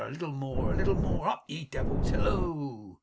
A little more, a little more! Up, ye devils! Hillo!